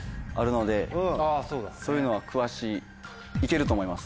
そういうのは詳しいいけると思います。